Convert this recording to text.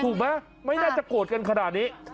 ถูกไหมไม่น่าจะโกรธกันขนาดนี้